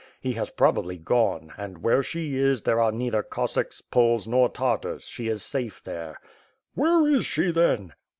He has prob ably gone, — and where she is, there are neither Cossacks, Poles nor Tartars — she is safe there." "Where is she then?"